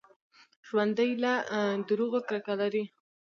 ژوندي له دروغو کرکه لري